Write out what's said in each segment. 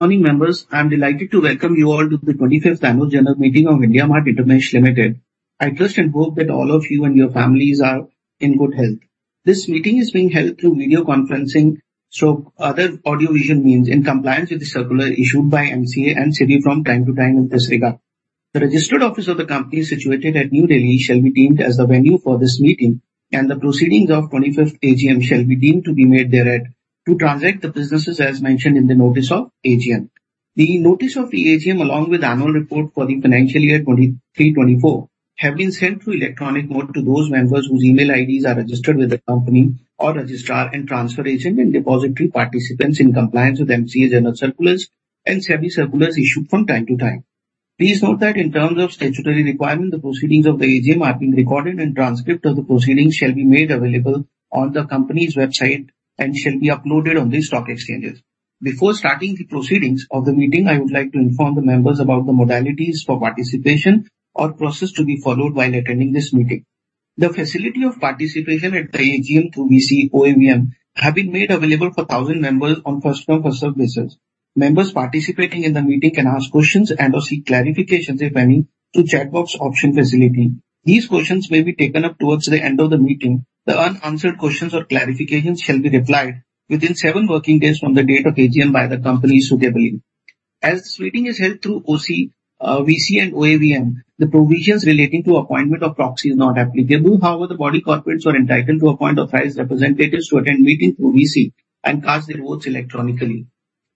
Morning, members. I'm delighted to welcome you all to the 25th Annual General Meeting of IndiaMART InterMESH Ltd. I trust and hope that all of you and your families are in good health. This meeting is being held through video conferencing through other audio-visual means in compliance with the circular issued by MCA and SEBI from time to time in this regard. The registered office of the company situated at New Delhi shall be deemed as the venue for this meeting, and the proceedings of 25th AGM shall be deemed to be made therein to transact the businesses as mentioned in the Notice of AGM. The Notice of AGM, along with the Annual Report for the Financial Year 2023-2024, have been sent through electronic mode to those members whose email IDs are registered with the company or registrar and transfer agent and depository participants in compliance with MCA General Circulars and SEBI Circulars issued from time to time. Please note that in terms of statutory requirement, the proceedings of the AGM are being recorded, and transcripts of the proceedings shall be made available on the company's website and shall be uploaded on the stock exchanges. Before starting the proceedings of the meeting, I would like to inform the members about the modalities for participation or process to be followed while attending this meeting. The facility of participation at the AGM through VC/OAVM has been made available for 1,000 members on first-come, first-served basis. Members participating in the meeting can ask questions and/or seek clarifications, if any, through the chat box option facility. These questions may be taken up towards the end of the meeting. The unanswered questions or clarifications shall be replied within seven working days from the date of AGM by the company's secretary. As this meeting is held through OC, VC, and OAVM, the provisions relating to appointment of proxies are not applicable. However, the body corporates are entitled to appoint authorized representatives to attend meetings through VC and cast their votes electronically.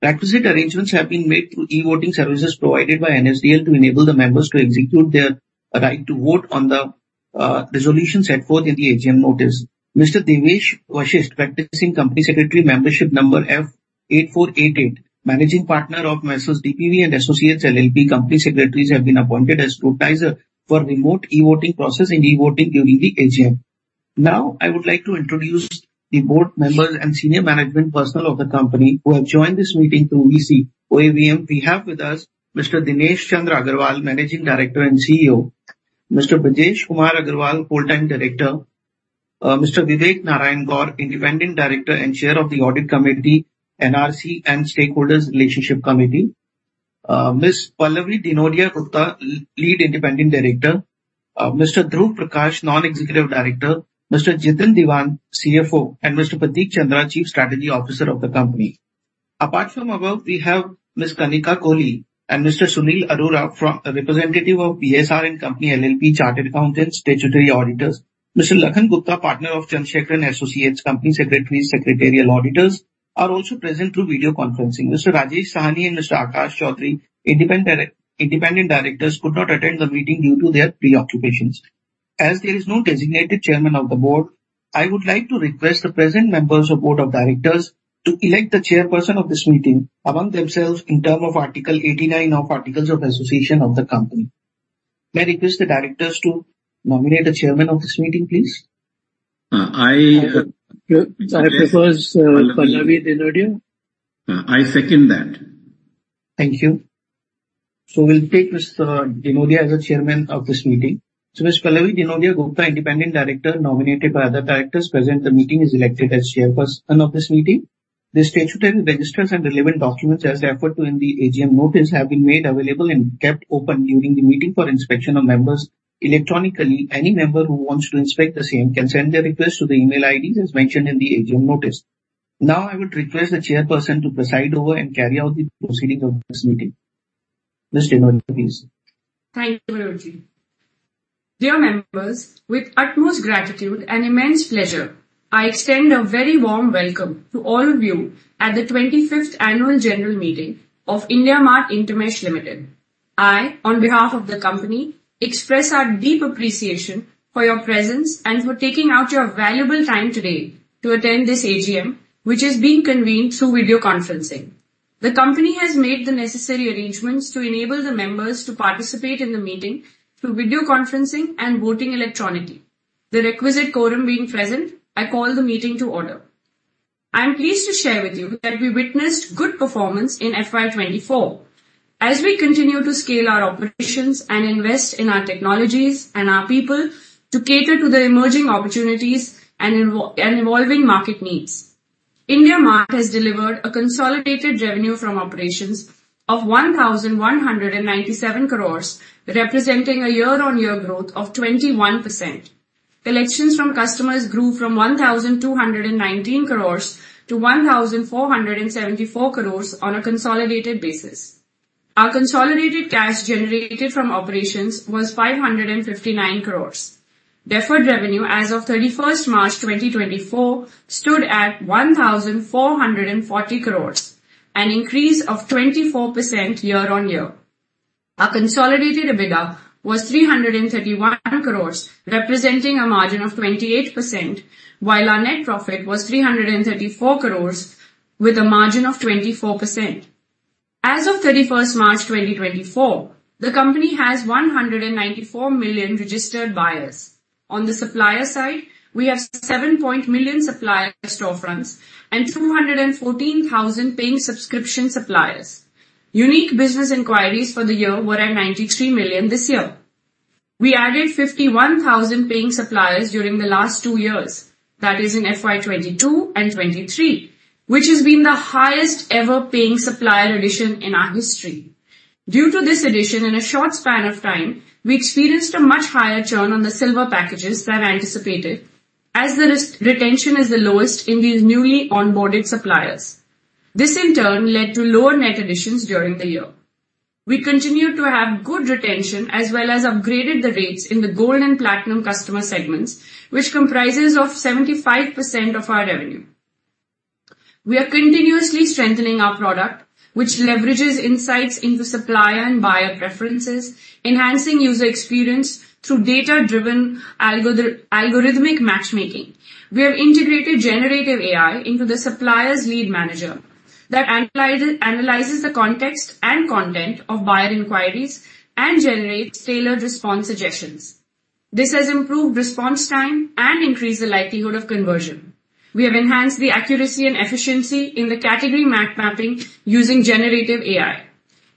Requisite arrangements have been made through e-voting services provided by NSDL to enable the members to execute their right to vote on the resolutions set forth in the AGM notice. Mr. Devesh Vasisht, practicing company secretary, membership number F8488, managing partner of DPV & Associates LLP, company secretaries, has been appointed as scrutinizer for the remote e-voting process and e-voting during the AGM. Now, I would like to introduce the board members and senior management personnel of the company who have joined this meeting through VC OAVM. We have with us Mr. Dinesh Chandra Agarwal, Managing Director and CEO, Mr. Brijesh Kumar Agrawal, Full-Time Director, Mr. Vivek Narayan Gour, Independent Director and Chair of the Audit Committee, NRC and Stakeholders Relationship Committee, Ms. Pallavi Dinodia Gupta, Lead Independent Director, Mr. Dhruv Prakash, Non-Executive Director, Mr. Jitin Diwan, CFO, and Mr. Prateek Chandra, Chief Strategy Officer of the company. Apart from above, we have Ms. Kanika Kohli and Mr. Sunil Arora from, representatives of BSR & Co. LLP, Chartered Accountants, Statutory Auditors. Mr. Lakhan Gupta, Partner of Chandrasekaran Associates, Company Secretaries, Secretarial Auditors are also present through video conferencing. Mr. Rajesh Sawhney and Mr. Aakash Chaudhry, Independent Directors, could not attend the meeting due to their preoccupations. As there is no designated Chairman of the Board, I would like to request the present members of the Board of Directors to elect the Chairperson of this meeting among themselves in terms of Article 89 of Articles of Association of the company. May I request the Directors to nominate a Chairman of this meeting, please? I prefer. Ms. Pallavi Dinodia? I second that. Thank you. We'll take Ms. Dinodia as the Chairman of this meeting. Ms. Pallavi Dinodia Gupta, Independent Director, nominated by other Directors present at the meeting, is elected as Chairperson of this meeting. The statutory registers and relevant documents as referred to in the AGM notice have been made available and kept open during the meeting for inspection of members electronically. Any member who wants to inspect the same can send their request to the email IDs as mentioned in the AGM notice. Now, I would request the Chairperson to preside over and carry out the proceedings of this meeting. Ms. Dinodia, please. Thank you, Manoj-ji. Dear members, with utmost gratitude and immense pleasure, I extend a very warm welcome to all of you at the 25th Annual General Meeting of IndiaMART InterMESH Ltd. I, on behalf of the company, express our deep appreciation for your presence and for taking out your valuable time today to attend this AGM, which is being convened through video conferencing. The company has made the necessary arrangements to enable the members to participate in the meeting through video conferencing and voting electronically. The requisite quorum being present, I call the meeting to order. I'm pleased to share with you that we witnessed good performance in FY24 as we continue to scale our operations and invest in our technologies and our people to cater to the emerging opportunities and evolving market needs. IndiaMART has delivered a consolidated revenue from operations of 1,197 crores, representing a year-on-year growth of 21%. Collections from customers grew from 1,219 crores to 1,474 crores on a consolidated basis. Our consolidated cash generated from operations was 559 crores. Deferred revenue as of 31st March 2024 stood at 1,440 crores, an increase of 24% year-on-year. Our consolidated EBITDA was 331 crores, representing a margin of 28%, while our net profit was 334 crores with a margin of 24%. As of 31st March 2024, the company has 194 million registered buyers. On the supplier side, we have 7 million supplier storefronts and 214,000 paying subscription suppliers. Unique business inquiries for the year were at 93 million this year. We added 51,000 paying suppliers during the last two years, that is in FY22 and 2023, which has been the highest ever paying supplier addition in our history. Due to this addition, in a short span of time, we experienced a much higher churn on the silver packages than anticipated, as the retention is the lowest in these newly onboarded suppliers. This, in turn, led to lower net additions during the year. We continue to have good retention as well as upgraded the rates in the gold and platinum customer segments, which comprises 75% of our revenue. We are continuously strengthening our product, which leverages insights into supplier and buyer preferences, enhancing user experience through data-driven algorithmic matchmaking. We have integrated generative AI into the supplier's lead manager that analyzes the context and content of buyer inquiries and generates tailored response suggestions. This has improved response time and increased the likelihood of conversion. We have enhanced the accuracy and efficiency in the category mapping using generative AI,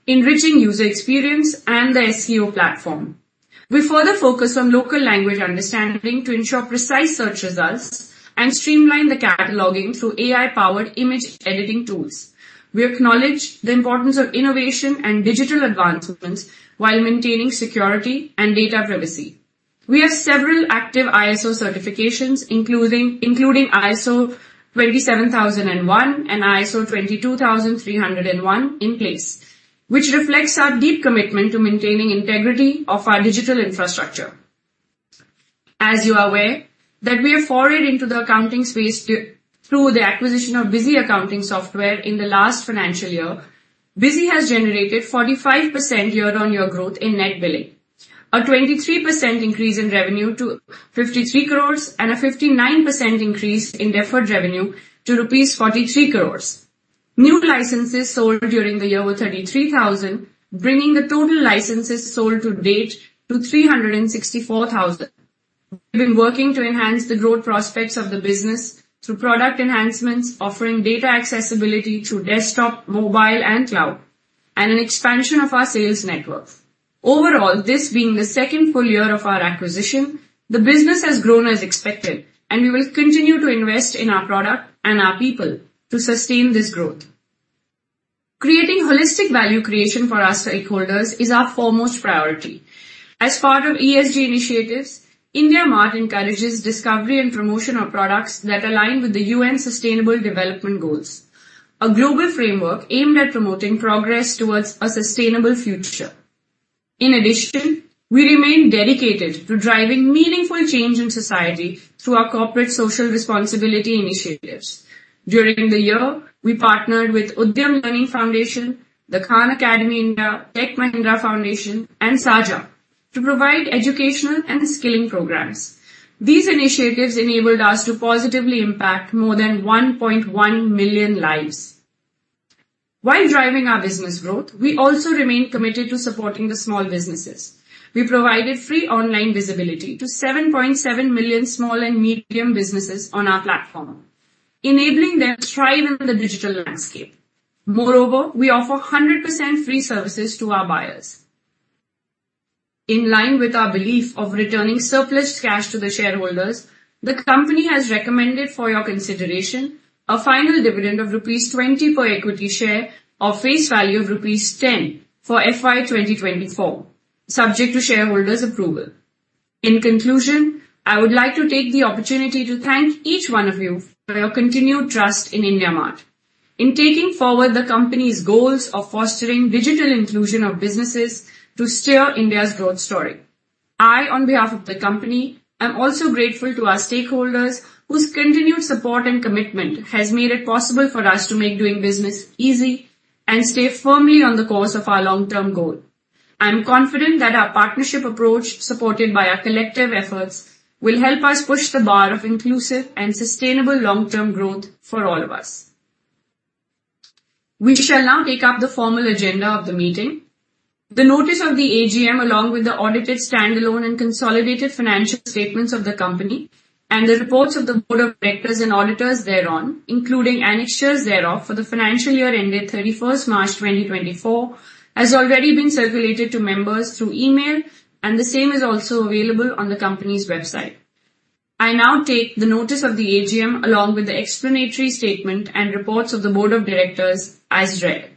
enriching user experience and the SEO platform. We further focus on local language understanding to ensure precise search results and streamline the cataloging through AI-powered image editing tools. We acknowledge the importance of innovation and digital advancements while maintaining security and data privacy. We have several active ISO certifications, including ISO 27001 and ISO 22301 in place, which reflects our deep commitment to maintaining the integrity of our digital infrastructure. As you are aware that we have forayed into the accounting space through the acquisition of BUSY accounting software in the last financial year, BUSY has generated 45% year-on-year growth in net billing, a 23% increase in revenue to 53 crore, and a 59% increase in deferred revenue to rupees 43 crore. New licenses sold during the year were 33,000, bringing the total licenses sold to date to 364,000. We have been working to enhance the growth prospects of the business through product enhancements, offering data accessibility through desktop, mobile, and cloud, and an expansion of our sales network. Overall, this being the second full year of our acquisition, the business has grown as expected, and we will continue to invest in our product and our people to sustain this growth. Creating holistic value creation for our stakeholders is our foremost priority. As part of ESG initiatives, IndiaMART encourages discovery and promotion of products that align with the UN Sustainable Development Goals, a global framework aimed at promoting progress towards a sustainable future. In addition, we remain dedicated to driving meaningful change in society through our corporate social responsibility initiatives. During the year, we partnered with Udhyam Learning Foundation, the Khan Academy India, Tech Mahindra Foundation, and Saajha to provide educational and skilling programs. These initiatives enabled us to positively impact more than 1.1 million lives. While driving our business growth, we also remain committed to supporting the small businesses. We provided free online visibility to 7.7 million small and medium businesses on our platform, enabling their thrive in the digital landscape. Moreover, we offer 100% free services to our buyers. In line with our belief of returning surplus cash to the shareholders, the company has recommended for your consideration a final dividend of rupees 20 per equity share of face value of rupees 10 for FY2024, subject to shareholders' approval. In conclusion, I would like to take the opportunity to thank each one of you for your continued trust in IndiaMART, in taking forward the company's goals of fostering digital inclusion of businesses to steer India's growth story. I, on behalf of the company, am also grateful to our stakeholders whose continued support and commitment has made it possible for us to make doing business easy and stay firmly on the course of our long-term goal. I am confident that our partnership approach, supported by our collective efforts, will help us push the bar of inclusive and sustainable long-term growth for all of us. We shall now take up the formal agenda of the meeting. The notice of the AGM, along with the audited standalone and consolidated financial statements of the company and the reports of the Board of Directors and Auditors thereon, including annexures thereof for the financial year ended 31st March 2024, has already been circulated to members through email, and the same is also available on the company's website. I now take the notice of the AGM, along with the explanatory statement and reports of the Board of Directors as read.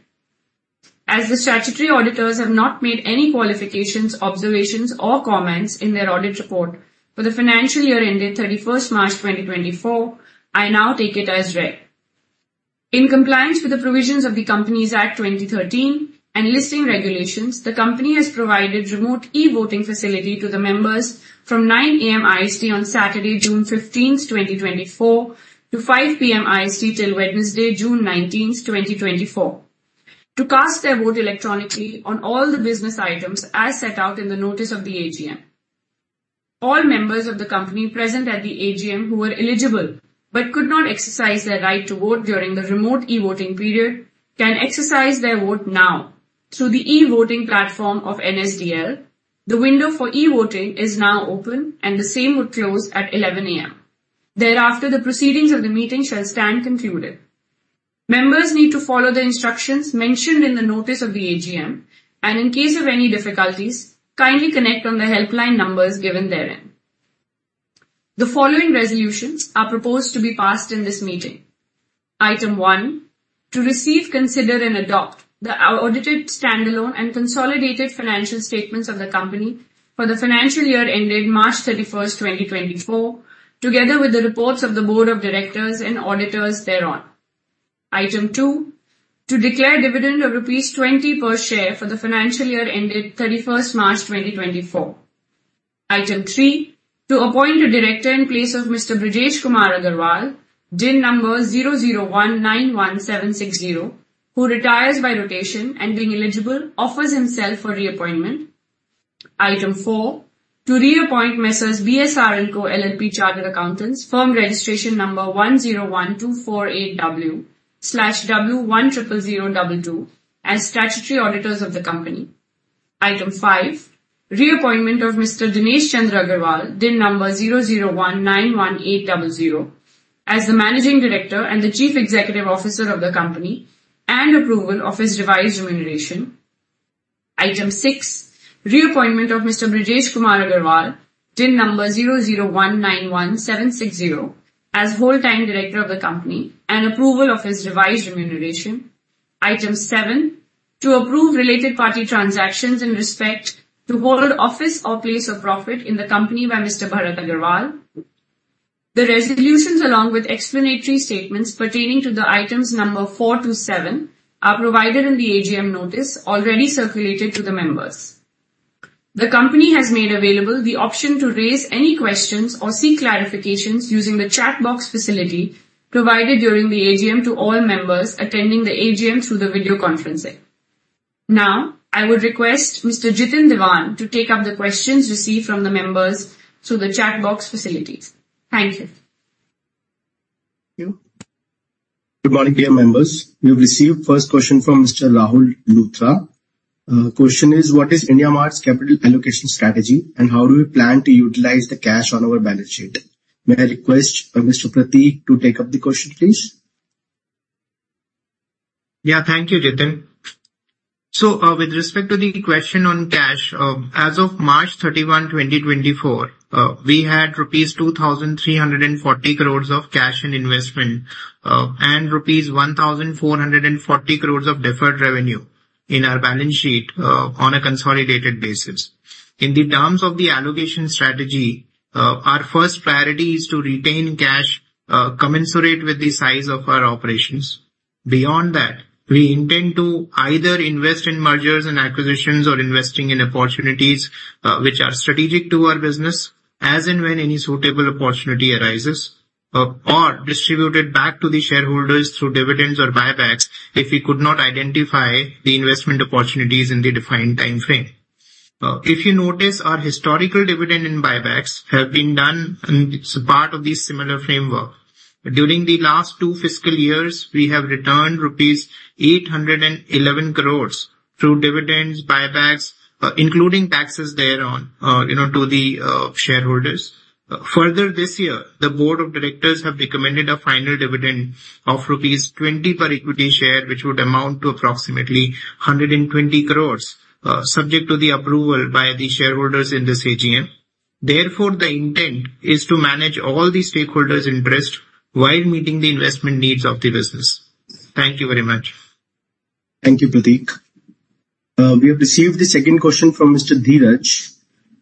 As the statutory auditors have not made any qualifications, observations, or comments in their audit report for the financial year ended 31st March 2024, I now take it as read. In compliance with the provisions of the Companies Act 2013 and listing regulations, the company has provided remote e-voting facility to the members from 9:00 AM IST on Saturday, June 15th, 2024, to 5:00 P.M. IST till Wednesday, June 19th, 2024, to cast their vote electronically on all the business items as set out in the notice of the AGM. All members of the company present at the AGM who were eligible but could not exercise their right to vote during the remote e-voting period can exercise their vote now through the e-voting platform of NSDL. The window for e-voting is now open, and the same would close at 11:00 AM Thereafter, the proceedings of the meeting shall stand concluded. Members need to follow the instructions mentioned in the notice of the AGM, and in case of any difficulties, kindly connect on the helpline numbers given therein. The following resolutions are proposed to be passed in this meeting. Item 1, to receive, consider, and adopt the audited standalone and consolidated financial statements of the company for the financial year ended March 31st, 2024, together with the reports of the Board of Directors and Auditors thereon. Item 2, to declare dividend of rupees 20 per share for the financial year ended 31st March 2024. Item 3, to appoint a director in place of Mr. Brijesh Kumar Agrawal, DIN number 00191760, who retires by rotation and being eligible, offers himself for reappointment. Item 4, to reappoint M/s BSR & Co. LLP Chartered Accountants, firm registration number 101248W/W100022, as statutory auditors of the company. Item 5, reappointment of Mr. Dinesh Chandra Agarwal, DIN number 00191800, as the Managing Director and the Chief Executive Officer of the company, and approval of his revised remuneration. Item 6, reappointment of Mr. Brijesh Kumar Agrawal, DIN number 00191760, as Whole-time Director of the company and approval of his revised remuneration. Item 7, to approve related party transactions in respect to hold office or place of profit in the company by Mr. Bharat Agarwal. The resolutions, along with explanatory statements pertaining to the items number 4-7, are provided in the AGM notice already circulated to the members. The company has made available the option to raise any questions or seek clarifications using the chat box facility provided during the AGM to all members attending the AGM through the video conferencing. Now, I would request Mr. Jitin Diwan to take up the questions received from the members through the chat box facilities. Thank you. Good morning, dear members. We have received the first question from Mr. Rahul Luthra. The question is, what is IndiaMART's capital allocation strategy and how do we plan to utilize the cash on our balance sheet? May I request Mr. Prateek to take up the question, please? Yeah, thank you, Jitin. So, with respect to the question on cash, as of March 31, 2024, we had rupees 2,340 crores of cash and investment and rupees 1,440 crores of deferred revenue in our balance sheet on a consolidated basis. In the terms of the allocation strategy, our first priority is to retain cash commensurate with the size of our operations. Beyond that, we intend to either invest in mergers and acquisitions or investing in opportunities which are strategic to our business, as and when any suitable opportunity arises, or distribute it back to the shareholders through dividends or buybacks if we could not identify the investment opportunities in the defined time frame. If you notice, our historical dividend and buybacks have been done as part of this similar framework. During the last two fiscal years, we have returned rupees 811 crores through dividends, buybacks, including taxes thereon to the shareholders. Further, this year, the Board of Directors have recommended a final dividend of rupees 20 per equity share, which would amount to approximately 120 crores, subject to the approval by the shareholders in this AGM. Therefore, the intent is to manage all the stakeholders' interests while meeting the investment needs of the business. Thank you very much. Thank you, Prateek. We have received the second question from Mr. Dheeraj,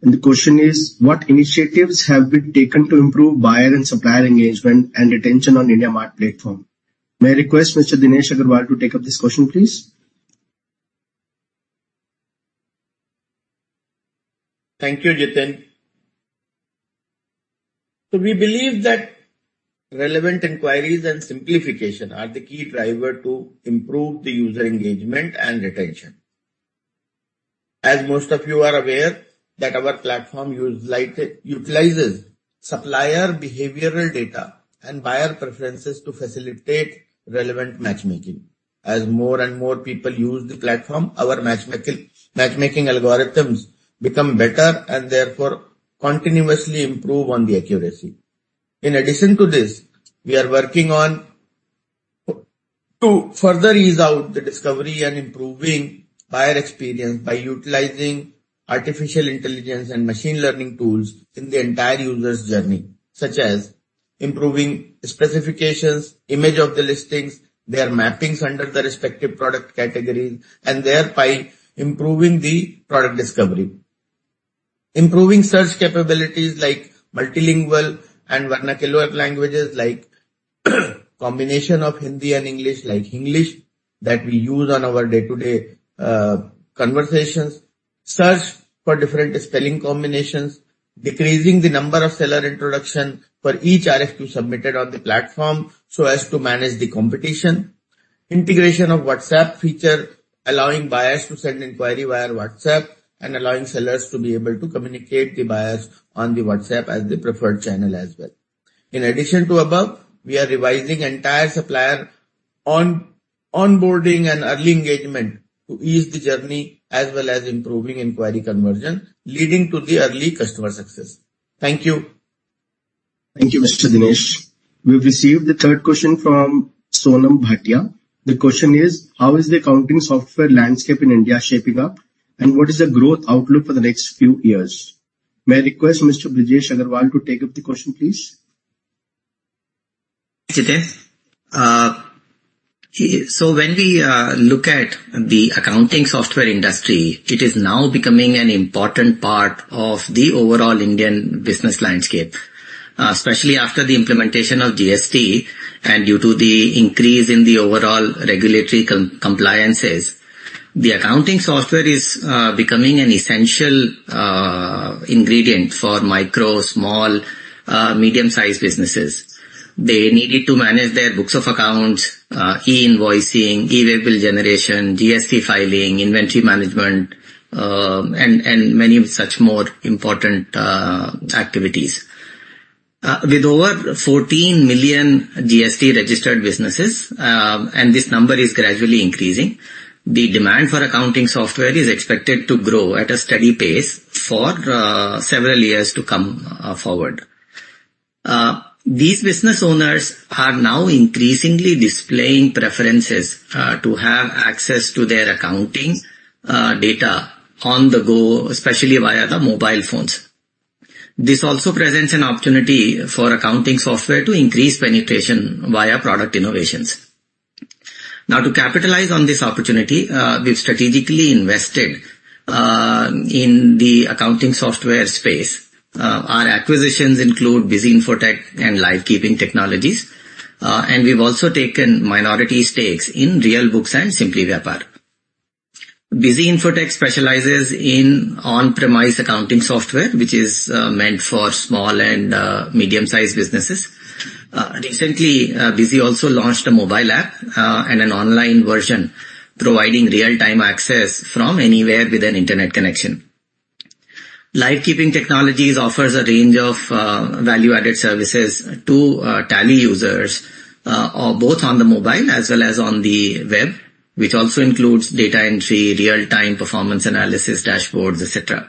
and the question is, what initiatives have been taken to improve buyer and supplier engagement and retention on IndiaMART platform? May I request Mr. Dinesh Agarwal to take up this question, please? Thank you, Jitin. So we believe that relevant inquiries and simplification are the key driver to improve the user engagement and retention. As most of you are aware, our platform utilizes supplier behavioral data and buyer preferences to facilitate relevant matchmaking. As more and more people use the platform, our matchmaking algorithms become better and therefore continuously improve on the accuracy. In addition to this, we are working on further easing out the discovery and improving buyer experience by utilizing artificial intelligence and machine learning tools in the entire user's journey, such as improving specifications, image of the listings, their mappings under the respective product categories, and thereby improving the product discovery. Improving search capabilities like multilingual and vernacular languages, like a combination of Hindi and English, like English that we use on our day-to-day conversations, search for different spelling combinations, decreasing the number of seller introductions for each RFQ submitted on the platform so as to manage the competition, integration of WhatsApp feature, allowing buyers to send inquiry via WhatsApp and allowing sellers to be able to communicate with buyers on the WhatsApp as the preferred channel as well. In addition to above, we are revising the entire supplier onboarding and early engagement to ease the journey as well as improving inquiry conversion, leading to the early customer success. Thank you. Thank you, Mr. Dinesh. We have received the third question from Sonam Bhatia. The question is, how is the accounting software landscape in India shaping up, and what is the growth outlook for the next few years? May I request Mr. Brijesh Agrawal to take up the question, please? Jitin, so when we look at the accounting software industry, it is now becoming an important part of the overall Indian business landscape, especially after the implementation of GST and due to the increase in the overall regulatory compliances. The accounting software is becoming an essential ingredient for micro, small, medium-sized businesses. They need it to manage their books of accounts, e-invoicing, e-way bill generation, GST filing, inventory management, and many such more important activities. With over 14 million GST-registered businesses, and this number is gradually increasing, the demand for accounting software is expected to grow at a steady pace for several years to come forward. These business owners are now increasingly displaying preferences to have access to their accounting data on the go, especially via the mobile phones. This also presents an opportunity for accounting software to increase penetration via product innovations. Now, to capitalize on this opportunity, we've strategically invested in the accounting software space. Our acquisitions include Busy Infotech and Livekeeping Technologies, and we've also taken minority stakes in RealBooks and Simply Vyapar. Busy Infotech specializes in on-premise accounting software, which is meant for small and medium-sized businesses. Recently, Busy also launched a mobile app and an online version, providing real-time access from anywhere with an internet connection. Livekeeping Technologies offers a range of value-added services to Tally users, both on the mobile as well as on the web, which also includes data entry, real-time performance analysis, dashboards, etc.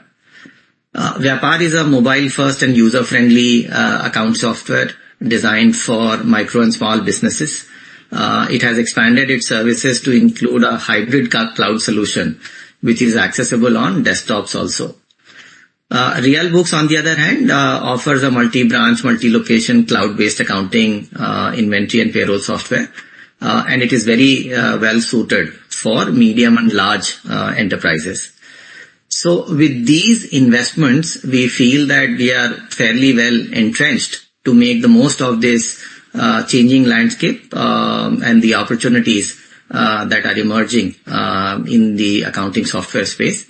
Vyapar is a mobile-first and user-friendly account software designed for micro and small businesses. It has expanded its services to include a hybrid cloud solution, which is accessible on desktops also. RealBooks, on the other hand, offers a multi-branch, multi-location, cloud-based accounting, inventory, and payroll software, and it is very well-suited for medium and large enterprises. So, with these investments, we feel that we are fairly well entrenched to make the most of this changing landscape and the opportunities that are emerging in the accounting software space,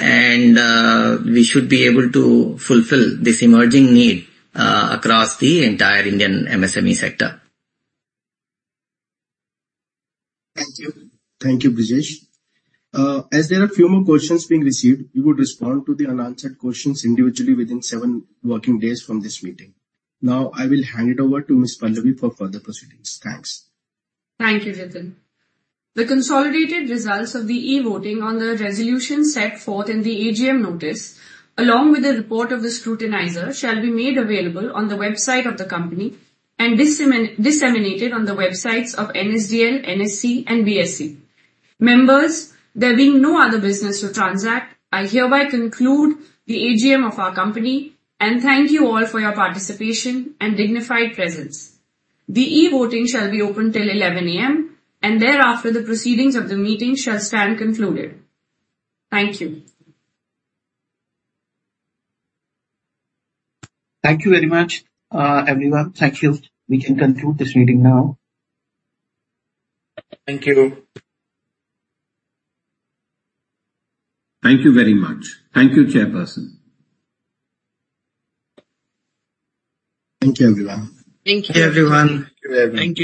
and we should be able to fulfill this emerging need across the entire Indian MSME sector. Thank you. Thank you, Brijesh. As there are a few more questions being received, we would respond to the unanswered questions individually within seven working days from this meeting. Now, I will hand it over to Ms. Pallavi for further proceedings. Thanks. Thank you, Jitin. The consolidated results of the e-voting on the resolution set forth in the AGM notice, along with the report of the scrutinizer, shall be made available on the website of the company and disseminated on the websites of NSDL, NSE, and BSE. Members, there being no other business to transact, I hereby conclude the AGM of our company, and thank you all for your participation and dignified presence. The e-voting shall be open till 11:00 AM, and thereafter, the proceedings of the meeting shall stand concluded. Thank you. Thank you very much, everyone. Thank you. We can conclude this meeting now. Thank you. Thank you very much. Thank you, Chairperson. Thank you, everyone. Thank you, everyone. Thank you, everyone.